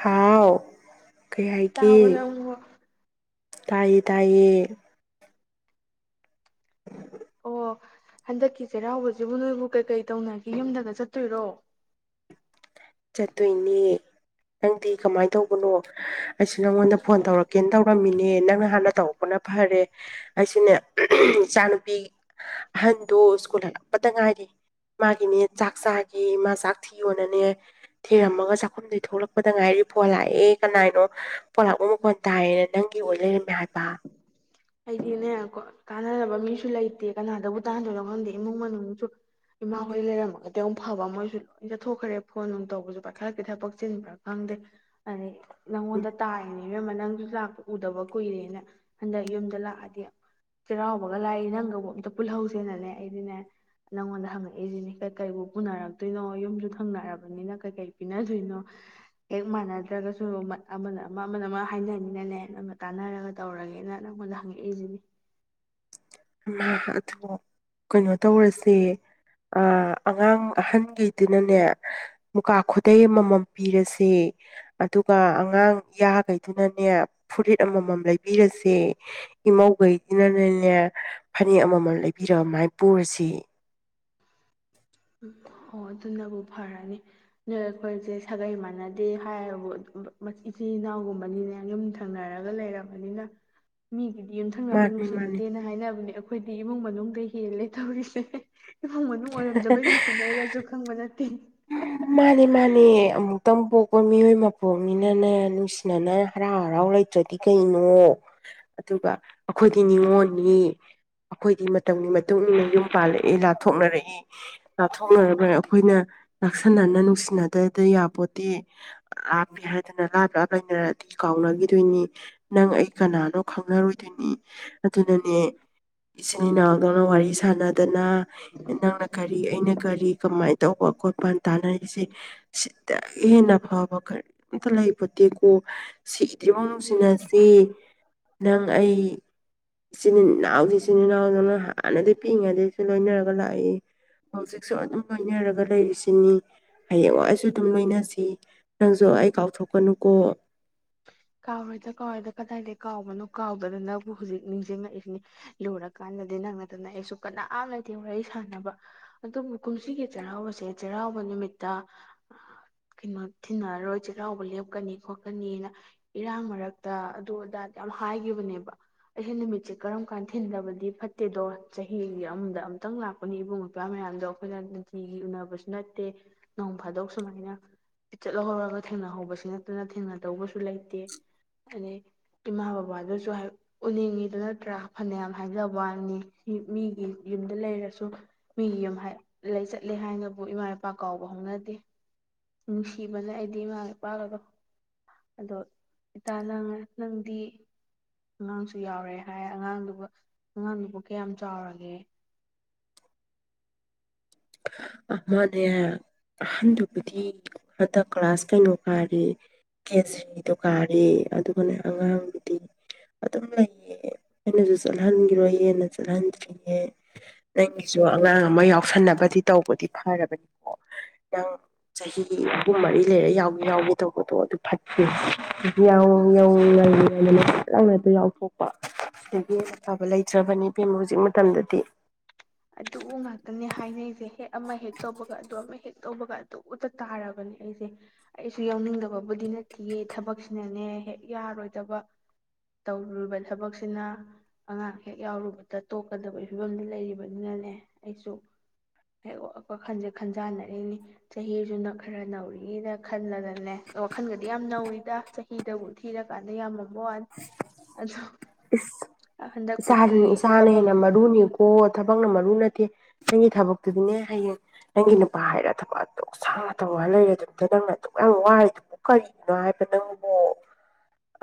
ꯍꯥꯎ ꯀꯩ ꯍꯥꯏꯒꯦ ꯇꯕꯔꯣ ꯅꯪꯕꯨ ꯇꯥꯏꯌꯦ ꯇꯥꯏꯌꯦ ꯑꯣ ꯍꯟꯗꯛꯀꯤ ꯆꯩꯔꯥꯎꯕꯁꯤꯕꯨ ꯅꯣꯏꯕꯨ ꯀꯩꯀꯩ ꯇꯧꯅꯒꯦ ꯌꯨꯝꯗꯒ ꯆꯠꯇꯣꯏꯔꯣ ꯆꯠꯇꯣꯏꯅꯦ ꯅꯪꯗꯤ ꯀꯃꯥꯏꯅ ꯇꯧꯕꯅꯣ ꯑꯩꯁꯨ ꯅꯪꯉꯣꯟꯗ ꯐꯣꯟ ꯇꯧꯔꯛꯀꯦꯅ ꯇꯧꯔꯝꯃꯤꯅꯦ ꯅꯪꯅ ꯍꯥꯟꯅ ꯇꯧꯔꯛꯄꯅ ꯐꯔꯦ ꯑꯩꯁꯨꯅꯦ ꯏꯆꯥ ꯅꯨꯨꯄꯤ ꯑꯍꯟꯗꯣ ꯁ꯭ꯀꯨꯜ ꯍꯜꯂꯛꯄꯗ ꯉꯥꯏꯔꯤ ꯃꯥꯒꯤꯅꯦ ꯆꯥꯛ ꯆꯥꯒꯦ ꯏꯃꯥ ꯆꯥꯛ ꯊꯤꯌꯣꯅꯅꯦ ꯊꯨꯔꯝꯃꯒ ꯆꯥꯛꯈꯨꯝꯗꯩꯩ ꯊꯣꯛꯂꯛꯄꯗ ꯉꯥꯏꯔꯤ ꯐꯣꯟ ꯂꯥꯛꯑꯦ ꯀꯅꯥꯅꯣ ꯐꯣꯟ ꯂꯥꯛꯄ ꯃꯈꯣꯟ ꯇꯥꯏꯌꯦꯅ ꯅꯪꯒꯤ ꯑꯣꯏ ꯂꯩꯔꯝꯃꯦ ꯍꯥꯏꯕ ꯑꯩꯗꯤꯅꯦ ꯇꯥꯟꯅꯔꯕ ꯃꯤꯁꯨ ꯂꯩꯇꯦ ꯀꯅꯥꯗꯕꯨ ꯇꯥꯟꯅꯗꯣꯏꯅꯣ ꯈꯪꯗꯦ ꯏꯃꯨꯡ ꯃꯅꯨꯡꯁꯨ ꯏꯃꯥꯍꯣꯏ ꯂꯩꯔꯝꯃꯒꯗꯤ ꯑꯃꯨꯛ ꯐꯕ ꯃꯣꯏꯁꯨ ꯂꯣꯏ ꯆꯠꯊꯣꯛꯈ꯭ꯔꯦ ꯐꯣꯟ ꯅꯨꯡ ꯇꯧꯕꯁꯨ ꯄꯥꯏꯈꯠꯂꯛ ꯀꯩꯊꯛꯄꯛ ꯆꯤꯟꯕ꯭ꯔꯥ ꯈꯪꯗꯦ ꯑꯗꯒꯤ ꯅꯉꯣꯟꯗ ꯇꯥꯏꯅꯦ ꯏꯅꯝꯃ ꯂꯥꯛꯄ ꯎꯗꯕ ꯀꯨꯏꯔꯦꯅ ꯍꯟꯗꯛ ꯌꯨꯝ ꯂꯥꯛꯑꯗꯤ ꯆꯩꯔꯥꯎꯕꯒ ꯂꯥꯏꯔꯤ ꯅꯪꯒꯕꯨ ꯑꯝꯇ ꯄꯨꯜꯍꯧꯁꯦꯅꯅꯦ ꯑꯩꯗꯤꯅꯦ ꯅꯪꯉꯣꯟꯗ ꯍꯪꯉꯛꯏꯁꯤꯅꯦ ꯀ ꯀꯩ ꯄꯨꯅꯔꯛꯇꯣꯏꯅꯣ ꯌꯨꯝꯁꯨ ꯊꯪꯅꯔꯕꯅꯤꯅ ꯀꯩꯀꯩ ꯄꯤꯅꯗꯣꯏꯅꯣ ꯍꯦꯛ ꯃꯥꯟꯅꯗ꯭ꯔꯒꯁꯨ ꯑꯃꯅ ꯑꯃ ꯑꯃꯅ ꯑꯃ ꯍꯥꯏꯅꯅꯤꯅꯅꯦ ꯅ ꯇꯥꯟꯅꯔꯒ ꯇꯧꯔꯒꯦꯅ ꯅꯪꯉꯣꯟꯗ ꯍꯪꯉꯛꯏꯁꯤꯅꯦ ꯏꯃꯥ ꯑꯗꯣ ꯀꯩꯅꯣ ꯇꯧꯔꯁꯦ ꯑꯉꯥꯡ ꯑꯍꯟꯈꯩꯗꯨꯅꯅꯦ ꯃꯨꯀꯥ ꯈꯨꯗꯩ ꯑꯃꯃꯝ ꯄꯤꯔꯁꯦ ꯑꯗꯨꯒ ꯑꯉꯥꯡ ꯏꯌꯥꯈꯩꯗꯨꯅꯅꯦ ꯐꯨꯔꯤꯠ ꯑꯃꯃꯝ ꯂꯩꯕꯤꯔꯁꯦ ꯏꯃꯧꯈꯩꯗꯨꯅꯅꯦ ꯐꯅꯦꯛ ꯑꯃꯃꯝ ꯂꯩꯕꯤꯔꯕ ꯑꯃꯥꯏꯅ ꯄꯨꯔꯁꯦ ꯑꯣ ꯑꯗꯨꯅꯕꯨ ꯐꯔꯅꯤ ꯅꯣꯏ ꯑꯩꯈꯣꯏꯁꯦ ꯁꯥꯒꯩ ꯃꯥꯟꯅꯗꯦ ꯍꯥꯏꯕꯨ ꯏꯆꯤꯜ ꯏꯅꯥꯎꯒꯨꯝꯕꯅꯤꯅ ꯌꯨꯝ ꯊꯪꯅꯔꯒ ꯂꯩꯔꯕꯅꯤꯅ ꯃꯤ ꯑꯗꯨꯗꯤ ꯌꯨꯝꯊꯪꯅꯕ ꯃꯥꯅꯤ ꯃꯥꯅꯤ ꯅꯨꯡꯁꯤꯅꯗꯦꯅ ꯍꯥꯏꯅꯕꯅꯦ ꯑꯩꯈꯣꯏꯗꯤ ꯏꯃꯨꯡ ꯃꯅꯨꯡ ꯍꯦꯜꯂꯦ ꯊꯧꯔꯤꯁꯦ ꯏꯃꯨꯡ ꯃꯅꯨꯡ ꯑꯣꯏ ꯑꯣꯏꯔꯝꯗꯕꯩ ꯅꯨꯡꯁꯤꯅꯩꯔꯁꯨ ꯈꯪꯗꯦ ꯃꯥꯅꯦ ꯃꯥꯅꯦ ꯑꯃꯨꯛꯇꯪ ꯄꯣꯛꯄ ꯃꯤꯑꯣꯏ ꯃꯄꯣꯛꯅꯤꯅꯅꯦ ꯅꯨꯡꯁꯤꯅꯅ ꯍꯔꯥꯎ ꯍꯔꯥꯎ ꯂꯩꯇ꯭ꯔꯗꯤ ꯀꯩꯅꯣ ꯑꯗꯨꯒ ꯑꯩꯈꯣꯏꯗꯤ ꯅꯤꯉꯣꯟꯅꯤ ꯑꯩꯈꯣꯏꯗꯤ ꯃꯇꯝꯒꯤ ꯃꯇꯨꯡ ꯏꯟꯅ ꯌꯨꯝ ꯄꯥꯜꯂꯛꯏ ꯂꯥꯞꯊꯣꯛꯅꯔꯛꯏ ꯂꯥꯞꯊꯣꯛꯅꯔꯒ ꯑꯩꯈꯣꯏꯅ ꯂꯥꯛꯁꯟꯅꯅ ꯅꯨꯡꯁꯤꯅꯗꯗ ꯌꯥꯄꯣꯠꯇꯦ ꯂꯥꯞꯃꯤ ꯍꯥꯏꯗꯅ ꯂꯥꯞ ꯂꯥꯞ ꯂꯩꯅꯔꯗꯤ ꯀꯥꯎꯅꯈꯤꯗꯣꯏꯅꯤ ꯅꯪ ꯑꯩ ꯀꯅꯥꯅꯣ ꯈꯪꯅꯔꯣꯏꯗꯣꯏꯅꯤ ꯑꯗꯨꯅꯅꯦ ꯏꯆꯤꯟ ꯏꯅꯥꯎꯗꯧꯅ ꯋꯥꯔꯤ ꯁꯥꯟꯅꯗꯅ ꯅꯪꯅ ꯀꯔꯤ ꯀꯔꯤ ꯑꯩꯅ ꯀꯔꯤ ꯀꯃꯥꯏꯅ ꯇꯧꯕ ꯈꯣꯠꯄ ꯃꯄꯥꯟ ꯇꯥꯟꯅꯔꯤꯁꯦ ꯁꯤꯗꯒꯤ ꯍꯦꯟꯅ ꯐꯕ ꯀꯔꯤꯝꯇ ꯂꯩ ꯄꯣꯠꯇꯦꯀꯣ ꯁꯤꯗ꯭ꯔꯤ ꯃꯁꯤ ꯑꯁꯤ ꯅꯪ ꯑꯩ ꯏꯆꯤꯟ ꯏꯅꯥꯎꯗꯤ ꯏꯆꯤꯟ ꯏꯅꯥꯎꯗꯣ ꯅꯪ ꯍꯥꯟꯅꯗꯤ ꯄꯤꯛꯏꯉꯩꯗꯩꯁꯨ ꯂꯣꯏꯅꯔꯒ ꯂꯥꯛꯏ ꯍꯧꯖꯤꯛꯁꯨ ꯑꯗꯨꯝ ꯂꯣꯏꯅꯔꯒ ꯂꯩ ꯁꯤꯅꯤ ꯍꯌꯦꯡ ꯋꯥꯏꯁꯨ ꯑꯗꯨꯝ ꯂꯣꯏꯅꯁꯤ ꯅꯪꯁꯨ ꯑꯩ ꯀꯥꯎꯊꯣꯛꯀꯅꯨꯀꯣ ꯀꯥꯎꯔꯣꯏꯗ ꯀꯥꯎꯔꯣꯏꯗ ꯀꯗꯥꯏꯗꯒꯤ ꯀꯥꯎꯕꯅꯣ ꯀꯥꯎꯗꯗꯅꯕꯨ ꯍꯧꯖꯤꯛ ꯅꯤꯡꯁꯤꯡꯉꯛꯏꯁꯤꯅꯤ ꯂꯨꯔꯀꯥꯟꯗꯗꯤ ꯅꯪ ꯅꯠꯇꯅ ꯑꯩꯁꯨ ꯀꯅꯥꯝ ꯂꯩꯇꯦ ꯋꯥꯔꯤ ꯁꯥꯟꯅꯕ ꯑꯗꯨꯕꯨ ꯀꯨꯝꯁꯤꯒꯤ ꯆꯩꯔꯥꯎꯕꯁꯦ ꯆꯩꯔꯥꯎꯕ ꯅꯨꯃꯤꯠꯇ ꯀꯩꯅꯣ ꯊꯤꯅꯔꯔꯣꯏ ꯆꯩꯔꯥꯎꯕ ꯂꯦꯞꯀꯅꯤ ꯈꯣꯠꯀꯅꯤꯅ ꯏꯔꯥꯡ ꯃꯔꯛꯇ ꯑꯗꯨ ꯑꯗꯥꯗ ꯌꯥꯝ ꯍꯥꯏꯈꯤꯕꯅꯦꯕ ꯑꯩꯁꯦ ꯅꯨꯃꯤꯠꯁꯦ ꯀꯔꯝ ꯀꯥꯟꯗ ꯊꯤꯟꯗꯕꯗꯤ ꯐꯠꯇꯦꯗꯣ ꯆꯍꯤꯒꯤ ꯑꯃꯗ ꯑꯝꯇꯪ ꯂꯥꯛꯄꯅꯤ ꯏꯕꯨꯡ ꯃꯧꯄ꯭ ꯋꯥꯃꯌꯥꯝꯗꯣ ꯑꯩꯈꯣꯏꯅ ꯅꯨꯡꯇꯤꯒꯤ ꯎꯅꯕꯁꯨ ꯅꯠꯇꯦ ꯅꯣꯡ ꯐꯥꯗꯣꯛ ꯁꯨꯃꯥꯏꯅꯤ ꯆꯠ ꯂꯧꯍꯧꯔꯒ ꯊꯦꯡꯅꯍꯧꯕꯁꯤ ꯅꯠꯇꯅ ꯊꯦꯡꯅꯗꯧꯕꯁꯨ ꯂꯩꯇꯦ ꯑꯗꯩ ꯏꯃꯥ ꯕꯕꯥꯗꯨꯁꯨ ꯎꯅꯤꯡꯉꯤꯗꯨ ꯅꯠꯇ꯭ꯔꯥ ꯐꯅꯌꯥꯝ ꯍꯥꯏꯖ ꯋꯥꯅꯤ ꯃꯤꯒꯤ ꯌꯨꯝꯗ ꯂꯩꯔꯁꯨ ꯃꯤꯒꯤ ꯌꯨꯝ ꯂꯩ ꯆꯠꯂꯦ ꯍꯥꯏꯅꯕꯨ ꯏꯃꯥ ꯏꯄꯥ ꯀꯥꯎꯕ ꯍꯧꯅꯗꯦ ꯅꯨꯡꯁꯤꯕꯅ ꯑꯩꯗꯤ ꯏꯃꯥ ꯏꯄꯥꯒꯗꯣ ꯑꯗꯣ ꯏꯇꯥ ꯅꯪ ꯅꯪꯗꯤ ꯑꯉꯥꯡꯁꯨ ꯌꯥꯎꯔꯦ ꯍꯥꯏ ꯑꯉꯥꯡꯗꯨꯕꯨ ꯑꯉꯥꯡꯗꯨꯕꯨ ꯀꯌꯥꯝ ꯆꯥꯎꯔꯒꯦ ꯑꯃꯅꯦ ꯑꯍꯟꯗꯨꯕꯨꯗꯤ ꯍꯟꯗꯛ ꯀ꯭ꯂꯥꯁ ꯀꯩꯅꯣ ꯀꯥꯔꯦ ꯀꯦꯖꯤꯗꯣ ꯀꯥꯔꯦ ꯑꯗꯨꯒꯅꯦ ꯑꯉꯥꯡꯕꯨꯗꯤ ꯑꯗꯨꯝ ꯂꯩꯌꯦ ꯑꯩꯅꯁꯨ ꯆꯠꯍꯟꯈꯤꯔꯣꯏ ꯍꯦꯟꯅ ꯆꯠꯍꯟꯗ꯭ꯔꯤꯌꯦ ꯅꯪꯒꯤꯁꯨ ꯑꯉꯥꯡ ꯑꯃ ꯌꯥꯎꯁꯟꯅꯕ ꯗꯤ ꯇꯧꯕꯗꯤ ꯐꯔꯕꯅꯤꯀꯣ ꯌꯥꯥꯡ ꯆꯍꯤ ꯑꯍꯨꯝ ꯃꯔꯤ ꯂꯩꯔꯦ ꯌꯥꯎꯏ ꯌꯥꯎꯒꯦ ꯇꯧꯕꯗꯣ ꯑꯗꯨ ꯐꯠꯇꯦ ꯌꯥꯎ ꯌꯥꯎ ꯉꯜꯂꯤꯉꯩꯗ ꯐꯠ ꯂꯥꯎꯅ ꯌꯥꯎꯊꯣꯛꯄ ꯑꯗꯒꯤ ꯐꯕ ꯂꯩꯇ꯭ꯔꯕꯅꯤ ꯍꯧꯖꯤꯛ ꯃꯇꯝꯗꯗꯤ ꯑꯗꯨ ꯉꯥꯛꯇꯅꯦ ꯍꯥꯏꯅꯩꯁꯦ ꯍꯦꯛ ꯑꯃ ꯍꯦꯛ ꯇꯧꯕꯒ ꯑꯗꯨ ꯍꯦꯛ ꯇꯧꯕꯒ ꯑꯗꯨꯗ ꯇꯥꯔꯕꯅꯦ ꯑꯩꯁꯦ ꯑꯩꯁꯨ ꯌꯥꯎꯅꯤꯡꯗꯕꯕꯨꯗꯤ ꯅꯠꯇꯦꯌꯦ ꯊꯕꯛꯁꯤꯅꯅꯦ ꯍꯦꯛ ꯌꯥꯔꯣꯏꯗꯕ ꯇꯧꯔꯨꯔꯤꯕ ꯊꯕꯛꯁꯤꯅ ꯑꯉꯥꯡ ꯍꯦꯛ ꯌꯥꯎꯔꯨꯕꯗ ꯇꯣꯛꯀꯗꯕ ꯐꯤꯕꯝꯗ ꯂꯩꯔꯤꯕ ꯕꯅꯤꯅꯅꯦ ꯑꯩꯁꯨ ꯍꯦꯛ ꯋꯥꯈꯜꯁꯦ ꯈꯟꯖꯥꯟꯅꯔꯤꯅꯤ ꯆꯍꯤꯁꯨꯅ ꯈꯔ ꯅꯧꯔꯤꯅ ꯈꯜꯂꯗꯅꯦ ꯋꯥꯈꯜꯒꯗꯤ ꯌꯥꯝ ꯅꯧꯔꯤꯗ ꯆꯍꯤꯗꯕꯨ ꯊꯤꯔꯀꯥꯟꯗ ꯌꯥꯝ [unintelligible] ꯏꯁ ꯏꯁꯥ ꯏꯁꯥꯅ ꯊꯕꯛ ꯍꯦꯟꯅ ꯃꯔꯨꯅꯤꯀꯣ ꯊꯕꯛꯅ ꯃꯔꯨ ꯑꯗꯨ ꯅꯠꯇꯦ ꯅꯪꯒꯤ ꯊꯕꯛꯇꯨꯗꯤꯅꯦ ꯍꯌꯦꯡ ꯅꯪꯒꯤ ꯅꯨꯄꯥ ꯍꯥꯏꯔ ꯊꯕꯛ ꯑꯗꯨ ꯁꯥꯡꯅ ꯇꯧꯔꯒ ꯂꯩꯔꯦ ꯗꯨꯝꯇ ꯅꯪꯅ ꯑꯗꯨꯛ ꯌꯥꯝ ꯋꯥꯔꯤꯗꯨꯕꯨ ꯀꯔꯤꯒꯤꯅꯣ ꯍꯥꯏꯕ ꯅꯪꯕꯨ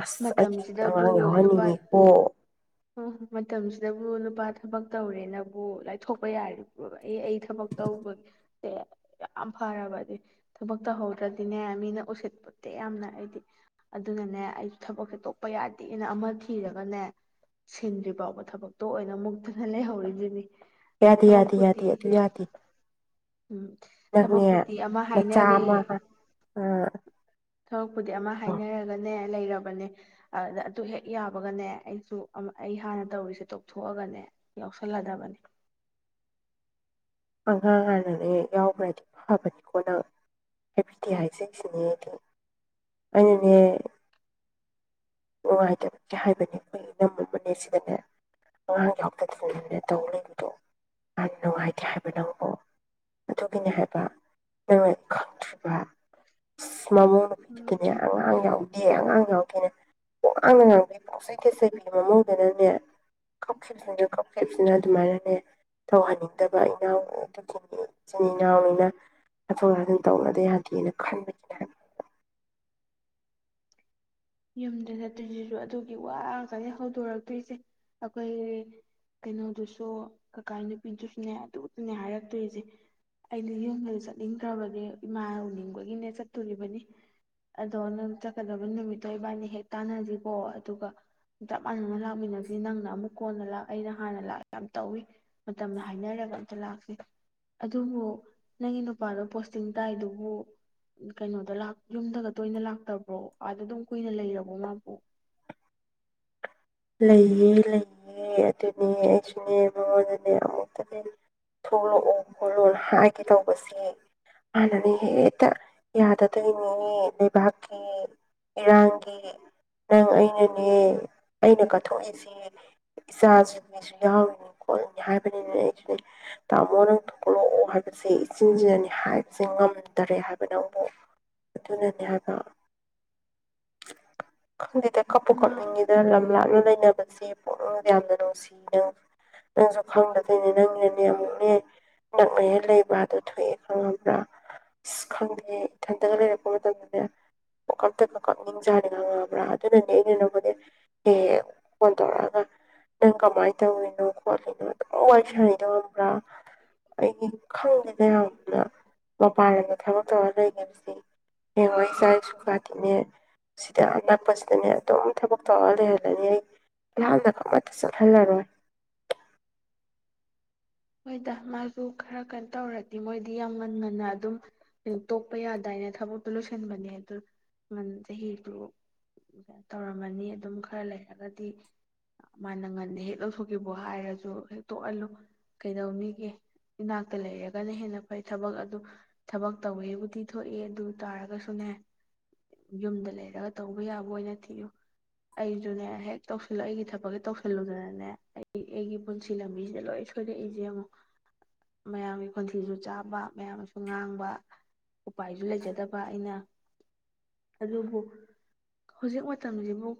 ꯑꯁ ꯑꯩ ꯃꯇꯝꯁꯤꯗꯕꯨ ꯑꯉꯥꯡ ꯌꯥꯎꯍꯟꯅꯤꯡꯉꯦ ꯑꯣ ꯃꯇꯝꯁꯤꯗꯕꯨ ꯅꯨꯄꯥ ꯊꯕꯛ ꯇꯧꯔꯦꯅꯕꯨ ꯂꯥꯏꯊꯣꯛꯄ ꯌꯥꯔꯤꯕꯣ ꯑꯩ ꯑꯩ ꯊꯕꯛ ꯇꯧꯕꯁꯦ ꯌꯥꯝ ꯐꯔꯕꯗꯤ ꯊꯕꯛ ꯇꯧꯍꯧꯗ꯭ꯔꯗꯤꯅꯦ ꯃꯤꯅ ꯎꯁꯤꯠꯄꯣꯠꯇꯦ ꯌꯥꯝꯅ ꯑꯩꯗꯤ ꯑꯗꯨꯅꯅꯦ ꯑꯩ ꯊꯕꯛꯁꯦ ꯇꯣꯛꯄ ꯌꯥꯗꯦꯅ ꯑꯃ ꯊꯤꯔꯒꯅꯦ ꯁꯤꯟꯗ꯭ꯔꯤ ꯐꯥꯎꯕ ꯊꯕꯛꯇꯣ ꯑꯣꯏꯅ ꯃꯨꯛꯇꯨꯅ ꯂꯩꯍꯧꯔꯤꯁꯤꯅꯤ ꯌꯥꯗꯦ ꯌꯥꯗꯦ ꯌꯥꯗꯦ ꯊꯕꯛꯄꯨꯗꯤ ꯑꯗꯨ ꯌꯥꯗꯦ ꯎꯝ ꯅꯪꯅꯦ ꯊꯕꯛꯄꯨꯗꯤ ꯑꯃ ꯅꯆꯥ ꯍꯥꯏꯅꯔꯦ ꯑꯃ ꯊꯕꯛꯄꯨꯗꯤ ꯑꯃ ꯍꯥꯏꯅꯔꯒꯅꯦ ꯂꯩꯔ ꯑꯗꯨ ꯑꯗꯨ ꯍꯦꯛ ꯌꯥꯕꯒꯅꯦ ꯑꯩꯁꯨ ꯑꯩ ꯍꯥꯟꯅ ꯇꯧꯔꯤꯁꯦ ꯇꯣꯛꯊꯣꯛꯑꯒꯅꯦ ꯌꯥꯎꯁꯜꯂꯗꯕꯅꯦ ꯑꯉꯥꯡ ꯍꯥꯟꯅꯅꯦ ꯌꯥꯎꯕ꯭ꯔꯗꯤ ꯐꯕꯅꯤꯀꯣꯅꯪ ꯍꯥꯏꯕꯤꯗꯦ ꯍꯥꯏꯁꯤꯡꯁꯤꯅꯦꯗꯤ ꯑꯩꯅꯅꯦ ꯅꯨꯡꯉꯥꯏꯇꯕꯒꯤ ꯍꯥꯏꯕꯅꯦ ꯑꯩꯈꯣꯏꯒꯤ ꯏꯅꯝꯃ ꯑꯃ ꯁꯤꯗꯅꯦ ꯑꯉꯥꯡ ꯌꯥꯎꯗꯗꯅꯅꯦ ꯇꯧ ꯂꯩꯕꯗꯣ ꯌꯥꯝ ꯅꯨꯡꯉꯥꯏꯇꯦ ꯍꯥꯏꯕ ꯅꯪꯕꯣ ꯑꯗꯨꯒꯤꯅꯦ ꯍꯥꯏꯕ ꯅꯪꯅ ꯈꯪꯗ꯭ꯔꯤꯕ [unintelligible] ꯎꯝ ꯑꯉꯥꯡ ꯌꯥꯎꯗꯦ ꯑꯉꯥꯡ [unintelligible] [unintelligible] ꯄꯪꯆꯩꯗ ꯆꯩꯕꯤꯕ ꯃꯅꯨꯡꯗꯅꯅꯦ ꯀꯞꯈꯕꯁꯤꯅ ꯀꯞꯈꯤꯕꯁꯤꯅ ꯑꯗꯨꯃꯥꯏꯅꯅꯦ ꯇꯧꯍꯟꯅꯤꯡꯗꯕ ꯏꯅꯥꯎ ꯑꯗꯨꯒꯤ ꯏꯆꯤꯟ ꯏꯅꯥꯎꯅꯤꯅ ꯍꯥꯊꯣꯛ ꯍꯥꯥꯖꯤꯟ ꯇꯧꯅꯗ ꯌꯥꯗꯦꯅ ꯈꯟꯕꯒꯤꯅ ꯍꯥꯏꯕ ꯌꯨꯝꯗ ꯆꯠꯇꯣꯏꯁꯤꯁꯨ ꯑꯗꯨꯒꯤ ꯋꯥꯒ ꯍꯧꯗꯣꯔꯛꯇꯣꯏꯁꯦ ꯑꯩꯈꯣꯏꯒꯤ ꯀꯩꯅꯣꯗꯨꯁꯨ ꯀꯀꯥ ꯅꯨꯄꯤꯗꯨꯁꯨꯅꯦ ꯑꯗꯨꯗꯨꯅꯦ ꯍꯥꯏꯔꯛꯇꯣꯏꯁꯦ ꯑꯩꯅ ꯌꯨꯝꯗꯨꯗ ꯆꯠꯅꯤꯡꯗ꯭ꯔꯕꯅꯦ ꯏꯃꯥ ꯎꯅꯤꯡꯕꯒꯤꯅꯦ ꯆꯠꯇꯣꯔꯤꯕꯅꯤ ꯑꯗꯣ ꯅꯪ ꯆꯠꯀꯗꯕ ꯅꯨꯃꯤꯠ ꯑꯗꯣ ꯏꯕꯥꯅꯤ ꯍꯦꯛ ꯇꯥꯟꯅꯁꯤꯀꯣ ꯑꯗꯨꯒ ꯆꯞ ꯃꯥꯟꯅꯅ ꯂꯥꯛꯃꯤꯟꯅꯁꯤ ꯅꯪꯅ ꯑꯃꯨꯛ ꯀꯣꯟꯅ ꯂꯥꯛ ꯑꯩꯅ ꯍꯥꯟꯅ ꯂꯥꯛ ꯌꯥꯝ ꯇꯧꯋꯤ ꯃꯇꯝꯗ ꯍꯥꯏꯅꯔꯒ ꯑꯝꯇ ꯂꯥꯛꯁꯤ ꯑꯗꯨꯕꯨ ꯅꯪꯒꯤ ꯅꯨꯄꯥꯗꯣ ꯄꯣꯁꯇꯤꯡ ꯇꯥꯏꯗꯨꯕꯨ ꯀꯩꯅꯣꯗ ꯂꯥꯛ ꯌꯨꯝꯗꯒ ꯇꯣꯏꯅ ꯂꯥꯛꯇꯕ꯭ꯔꯣ ꯑꯗ ꯑꯗꯨꯝ ꯀꯨꯏꯅ ꯂꯩꯔꯕꯣ ꯃꯥꯕꯨ ꯂꯩꯌꯦ ꯂꯩꯌꯦ ꯑꯗꯨꯅꯦ ꯑꯩꯁꯨꯅꯦ ꯃꯉꯣꯟꯗꯅꯦ ꯑꯃꯨꯛꯇꯅꯦ ꯊꯣꯛꯂꯛꯑꯣ ꯈꯣꯠꯂꯣꯅ ꯍꯥꯏꯒꯦ ꯇꯧꯕꯁꯦ ꯍꯥꯟꯅꯅꯦ ꯍꯦꯛꯇ ꯌꯥꯗꯗꯣꯏꯅꯦ ꯂꯩꯕꯥꯛꯀꯤ ꯏꯔꯥꯡꯒꯤ ꯅꯪ ꯑꯩꯅꯅꯦ ꯑꯩꯅ ꯀꯠꯊꯣꯛꯏꯁꯤ ꯏꯆꯥꯁꯤꯡ ꯃꯤꯁꯨ ꯌꯥꯎꯔꯤꯅꯤ ꯈꯣꯠꯂꯤꯅꯤ ꯍꯥꯏꯕꯅꯤꯅꯅꯦ ꯑꯩꯁꯨꯅꯦ ꯇꯥꯃꯣ ꯅꯪ ꯊꯣꯛꯂꯛꯑꯣ ꯍꯥꯏꯕꯁꯦ ꯏꯆꯤꯟꯁꯤꯅꯅꯦ ꯍꯥꯏꯕꯁꯦ ꯉꯝꯗꯔꯦ ꯍꯥꯏꯕ ꯅꯪꯕꯣ ꯑꯗꯨꯅꯅꯦ ꯍꯥꯏꯕ ꯈꯪꯗꯦꯗ ꯀꯞꯄꯨ ꯃꯥ ꯀꯞꯅꯤꯡꯢꯗ ꯂꯩꯅꯕꯁꯦ ꯄꯨꯛꯅꯤꯡ ꯌꯥꯝꯅ ꯅꯨꯡꯁꯤ ꯅꯪ ꯅꯪꯁꯨ ꯈꯪꯗꯗꯣꯏꯅꯦ ꯅꯪꯅꯅꯦ ꯑꯃꯨꯛꯅꯦ ꯅꯛꯅꯍꯦ ꯂꯩꯕ꯭ꯔꯥ ꯑꯗꯨꯣ ꯊꯣꯛꯑꯦ ꯈꯪꯉꯕ꯭ꯔꯥ ꯑꯁ ꯈꯪꯗꯦ ꯏꯊꯟꯇꯒ ꯂꯩꯔꯛꯄ ꯃꯇꯝꯗꯅꯦ ꯄꯀꯝꯇ ꯀꯞꯅꯤꯡꯖꯥꯅꯤ ꯈꯪꯉꯕ꯭ꯔꯥ ꯑꯗꯨꯅꯅꯦ ꯑꯩꯅ ꯅꯪꯉꯣꯟ ꯍꯦ ꯐꯣꯟ ꯇꯧꯔꯛꯑꯒ ꯅꯪ ꯀꯃꯥꯏꯅ ꯇꯧꯔꯤꯅꯣ ꯈꯣꯠꯂꯤꯅꯣ ꯑꯗꯨꯝ ꯋꯥꯔꯤ ꯁꯥꯟꯅꯩꯗꯣ [unintelligible] ꯑꯩꯒꯤ ꯈꯪꯗꯦꯗ ꯌꯥꯝꯅ ꯃꯄꯥꯟꯂꯝꯗ ꯊꯕꯛ ꯇꯧꯔ ꯂꯩꯒꯤꯕꯁꯦ ꯍꯌꯦꯡꯋꯥꯏ ꯏꯆꯥ ꯏꯁꯨ ꯀꯥꯇꯤꯅꯦ ꯁꯤꯗ ꯑꯅꯛꯄꯁꯤꯗꯅꯦ ꯑꯗꯨꯝ ꯊꯕꯛ ꯇꯧꯔ [unintelligible] ꯂꯥꯞꯅꯒ ꯑꯃꯠꯇ ꯆꯠꯍꯜꯂꯔꯣꯏ ꯍꯣꯏꯗ ꯃꯥꯁꯨ ꯈꯔ ꯀꯩꯅꯣ ꯇꯧꯔꯗꯤ ꯃꯣꯏꯗꯤ ꯌꯥꯝ ꯉꯟꯅ ꯉꯟꯅ ꯑꯗꯨꯝ ꯍ ꯇꯣꯛꯄ ꯌꯥꯗꯥꯏꯅ ꯊꯕꯛꯇꯨ ꯂꯣꯏꯁꯤꯟꯕꯅꯦ ꯑꯗꯨ ꯉ ꯆꯍꯤꯗꯨ ꯇꯧꯔꯝꯃꯅꯤ ꯑꯗꯨꯝ ꯈꯔ ꯂꯩꯔꯒꯗꯤ ꯃꯥꯅ ꯉꯟꯅ ꯍꯦꯛ ꯂꯧꯊꯣꯛꯈꯤꯕꯣ ꯍꯥꯏꯔꯁꯨ ꯍꯦꯛ ꯇꯣꯛꯍꯜꯂꯨ ꯀꯩꯗꯧꯅꯤꯒꯦ ꯏꯅꯥꯛꯇ ꯂꯩꯔꯒꯅ ꯍꯦꯟꯅ ꯐꯩ ꯊꯕꯛ ꯑꯗꯨ ꯊꯕꯛ ꯇꯧꯋꯦꯕꯨꯗꯤ ꯊꯣꯛꯏ ꯑꯗꯨ ꯇꯥꯔꯒꯁꯨꯅꯦ ꯌꯨꯝꯗ ꯂꯩꯔꯒ ꯇꯧꯕ ꯌꯥꯕ ꯑꯣꯏꯅ ꯊꯤꯌꯨ ꯑꯩꯁꯨꯅꯦ ꯍꯦꯛ ꯇꯧꯁꯤꯜꯂꯛ ꯑꯩꯒꯤ ꯊꯕꯛꯀꯤ ꯇꯧꯁꯤꯜꯂꯨꯗꯅꯅꯦ ꯑꯩꯒꯤ ꯑꯩꯒꯤ ꯄꯨꯟꯁꯤ ꯂꯝꯕꯤꯁꯤꯗ ꯂꯣꯏ ꯁ ꯀꯣꯏꯔꯛꯏꯁꯦ ꯑꯃꯨꯛ ꯃꯌꯥꯝꯒꯤ ꯈꯣꯟꯊꯤꯁꯨ ꯆꯥꯕ ꯃꯌꯥꯝꯁꯨ ꯉꯥꯡꯕ ꯎꯄꯥꯏꯁꯨ ꯂꯩꯖꯗꯕ ꯑꯩꯅ ꯑꯗꯨꯕꯨ ꯍꯧꯖꯤꯛ ꯃꯇꯝꯁꯤꯕꯨꯨꯛ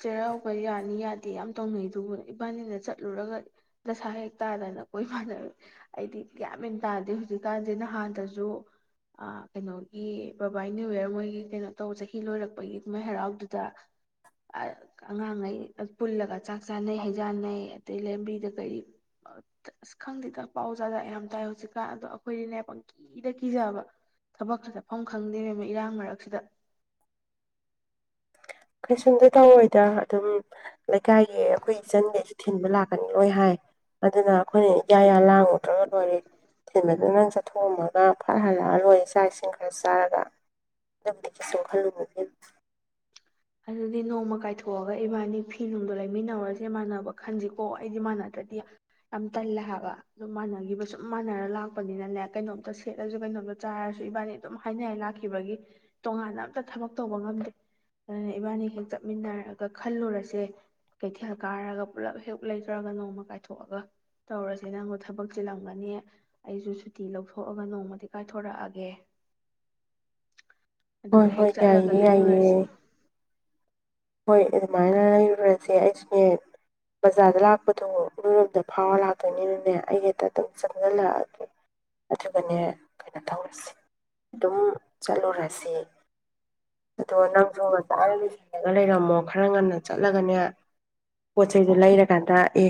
ꯆꯩꯔꯥꯎꯕ ꯌꯥꯅꯤ ꯌꯥꯗꯦ ꯌꯥꯝ ꯇꯧꯅꯩ ꯑꯗꯨꯕꯨ ꯏꯕꯥꯅꯤꯅ ꯆꯠꯂꯨꯔꯒ ꯗꯁꯥ ꯍꯦꯛ ꯇꯥꯗꯅ ꯀꯣꯏꯃꯥꯟꯅ ꯑꯩꯗꯤ ꯒ꯭ꯌꯥꯟ ꯃꯦꯟ ꯇꯥꯗꯦ ꯍꯧꯖꯤꯛꯀꯥꯟꯁꯦ ꯅꯍꯥꯟꯗꯁꯨ ꯀꯩꯅꯣꯒꯤ ꯕꯕꯥꯏ ꯅ꯭ꯌꯨ ꯌꯔ ꯃꯣꯏꯒꯤ ꯀꯩꯅꯣ ꯇꯧꯕ ꯆꯍꯤ ꯂꯣꯏꯔꯛꯄꯒꯤ ꯀꯨꯝꯍꯩ ꯍꯔꯥꯎꯗꯨꯗ ꯑꯉꯥꯡꯈꯩ ꯄꯨꯜꯂꯒ ꯆꯥꯛ ꯆꯥꯅꯩ ꯍꯩꯖꯥꯟꯅꯩ ꯑꯗꯩ ꯂꯝꯕꯤꯗ ꯀꯔꯤ ꯑꯁ ꯈꯪꯗꯦꯗ ꯄꯥꯎ ꯖꯥꯠ ꯖꯥꯠ ꯌꯥꯝ ꯇꯥꯏ ꯍꯧꯖꯤꯛꯀꯥꯟ ꯑꯗꯣ ꯑꯈꯣꯏꯗꯤꯅꯦ ꯄꯪꯀꯤꯗ ꯀꯤꯖꯕ ꯊꯕꯛꯀ ꯆꯠꯐꯝ ꯈꯪꯗꯦ ꯏꯔꯥꯡ ꯃꯔꯛꯁꯤꯗ ꯀꯩꯁꯨꯝꯇ ꯇꯧꯔꯣꯏꯗ ꯑꯗꯨꯝ ꯂꯩꯀꯥꯏꯒꯤ ꯑꯩꯈꯣꯏ ꯏꯆꯟꯒꯩꯁꯨ ꯊꯤꯟꯕ ꯂꯥꯛꯀꯅꯤ ꯂꯣꯏ ꯍꯥꯏ ꯑꯗꯨꯅ ꯑꯩꯈꯣꯏꯅ ꯌꯥ ꯌꯥ ꯂꯥꯡꯉꯨꯗ꯭ꯔꯒ ꯂꯣꯏꯔꯦ ꯊꯤꯟꯕꯗꯨꯅ ꯅꯪ ꯆꯠꯊꯣꯛꯑꯝꯃꯒ ꯐꯠ ꯍꯜꯂꯛꯑ ꯂꯣꯏꯔꯦ ꯆꯥꯛ ꯏꯁꯤꯡ ꯈꯔ ꯆꯥꯔꯒ ꯑꯗꯨꯕꯨꯗꯤ ꯀꯩꯁꯨꯝ ꯈꯜꯂꯨꯅꯨ ꯑꯗꯨꯗꯤ ꯅꯣꯡꯃ ꯀꯥꯏꯊꯣꯛꯑꯒ ꯏꯕꯥꯅꯤ ꯐꯤ ꯅꯨꯡꯗꯣ ꯂꯩꯃꯤꯟꯅꯩꯔꯁꯦ ꯏꯃꯥꯟꯅꯕ ꯈꯟꯁꯤꯀꯣ ꯑꯩꯗꯤ ꯃꯥꯟꯅꯗ꯭ꯔꯗꯤ ꯌꯥꯝ ꯇꯜꯂꯦ ꯍꯥꯏꯕ ꯑꯗꯨ ꯃꯥꯟꯅꯈꯤꯕ ꯁꯨꯝ ꯃꯥꯟꯅꯔꯒ ꯂꯥꯛꯈꯤꯕꯒꯤ ꯀꯩꯅꯣꯝꯇ ꯁꯦꯠꯂꯁꯨ ꯀꯩꯅꯣꯝꯇ ꯆꯥꯔꯁꯨ ꯏꯕꯥꯅꯤ ꯑꯗꯨꯝ ꯍꯥꯏꯅꯔ ꯂꯥꯛꯈꯤꯕꯒꯤ ꯇꯣꯉꯥꯟꯅ ꯑꯝꯇ ꯊꯕꯛ ꯇꯧꯕ ꯉꯝꯗꯦ ꯑꯗꯨꯅ ꯏꯕꯥꯅꯤ ꯍꯦꯛ ꯆꯠꯃꯤꯟꯅꯔꯒ ꯈꯜꯂꯨꯔꯁꯦ ꯀꯩꯊꯦꯜ ꯀꯥꯔꯒ ꯄꯨꯜꯂꯞ ꯍꯦꯛ ꯂꯩꯈ꯭ꯔꯒ ꯅꯣꯡꯃ ꯀꯥꯏꯊꯣꯛꯑꯒ ꯇꯧꯔꯁꯦ ꯅꯪꯕꯨ ꯊꯕꯛ ꯆꯤꯜꯂꯝꯒꯅꯤ ꯑꯩꯁꯨ ꯁꯨꯇꯤ ꯂꯧꯊꯣꯛꯑꯒ ꯅꯣꯡꯃꯗꯤ ꯀꯥꯏꯊꯣꯔꯛꯑꯒꯦ ꯍꯣꯏ ꯑꯗꯨꯒ ꯍꯦꯛ ꯍꯣꯏ ꯆꯠꯂꯒ ꯌꯥꯏꯌꯦ ꯌꯥꯏꯌꯦ ꯂꯩꯔꯨꯔꯁꯤ ꯍꯣꯏ ꯑꯗꯨꯃꯥꯏꯅ ꯂꯩꯔꯨꯔꯁꯦ ꯑꯩꯁꯨꯅꯦ ꯕꯖꯥꯔꯗ ꯂꯥꯛꯄꯗꯣ ꯅꯣꯏꯔꯣꯝꯗ ꯐꯥꯎꯔ ꯂꯥꯛꯇꯣꯏꯅꯤꯅꯅꯦ ꯑꯩ ꯍꯦꯛꯇ ꯑꯗꯨꯝ ꯆꯪꯖꯤꯜꯂꯛꯑꯒꯦ ꯑꯗꯨꯒꯅꯦ ꯀꯩꯅꯣ ꯇꯧꯔꯁꯦ ꯑꯗꯨꯝ ꯆꯠꯂꯨꯔꯁꯦ ꯑꯗꯣ ꯅꯪꯁꯨ ꯉꯟꯇ ꯒ ꯂꯩꯔꯝꯃꯣ ꯈꯔ ꯉꯟꯅ ꯆꯠꯂꯒꯅꯦ ꯄꯣꯠ ꯆꯩꯩꯗ ꯂꯩꯔꯀꯥꯟꯗ ꯑꯦ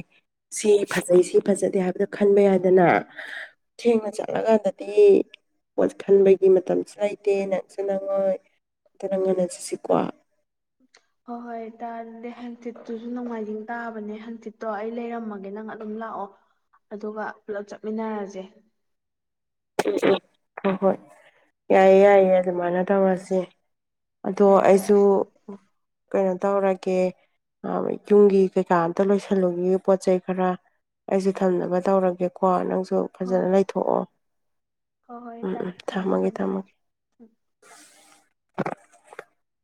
ꯁꯤ ꯐꯖꯩ ꯁꯤ ꯐꯖꯗꯦ ꯍꯥꯏꯕꯗꯣ ꯈꯟꯕ ꯌꯥꯏꯗꯅ ꯊꯦꯡꯅ ꯆꯠꯂꯀꯥꯟꯗꯗꯤ ꯄꯣꯠ ꯈꯟꯕꯒꯤ ꯃꯇꯝꯁꯨ ꯂꯩꯇꯦ ꯅꯪꯁꯨ ꯅꯪꯉꯣꯏ ꯑꯗꯨꯅ ꯉꯟꯅ ꯆꯠꯁꯤꯀꯣ ꯍꯣꯏ ꯍꯣꯏ ꯇꯥꯗꯤ ꯍꯥꯡꯆꯤꯠꯇꯨꯁꯨ ꯅꯣꯡꯃꯥꯏꯖꯤꯡ ꯇꯥꯕꯅꯦ ꯍꯥꯡꯆꯤꯠꯇꯣ ꯑꯩ ꯂꯩꯔꯝꯃꯒꯦ ꯅꯪ ꯑꯗꯨꯝ ꯂꯥꯛꯑꯣ ꯑꯗꯨꯒ ꯄꯨꯂꯞ ꯆꯠꯃꯤꯟꯅꯔꯁꯦ ꯎꯝ ꯎꯝ ꯍꯣꯏ ꯍꯣꯏ ꯌꯥꯏꯌꯦ ꯌꯥꯏꯌꯦ ꯑꯗꯨ ꯃꯥꯅ ꯇꯧꯔꯁꯤ ꯑꯗꯣ ꯐꯔꯦ ꯐꯔꯦ ꯑꯩꯁꯨ ꯑꯁ ꯀꯩꯅꯣ ꯇꯧꯔꯒꯦ ꯌꯨꯝꯒꯤ ꯀꯩꯀꯥ ꯑꯝꯇ ꯂꯣꯏꯁꯜꯂꯨꯒ ꯄꯣꯠ ꯆꯩꯩ ꯈꯔ ꯑꯩꯁꯨ ꯊꯝꯅꯕ ꯇꯧꯔꯒꯦꯀꯣ ꯅꯪ ꯁꯨ ꯍꯣꯏ ꯐꯖꯅ ꯂꯩꯊꯣꯛꯑꯣ ꯍꯣꯏ ꯍꯣꯏ ꯎꯝ ꯏꯇꯥ ꯎꯝ ꯊꯝꯃꯣ ꯊꯝꯃꯒꯦ ꯊꯝꯃꯣ ꯊꯝꯃꯒꯦ ꯎꯝ [unintelligible]